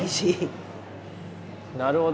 なるほど。